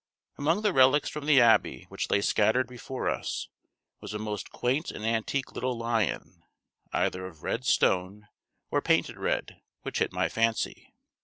Among the relics from the Abbey which lay scattered before us, was a most quaint and antique little lion, either of red stone, or painted red, which hit my fancy.